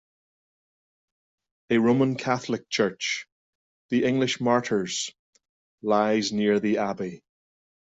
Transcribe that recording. A Roman Catholic church, The English Martyrs, lies near the Abbey.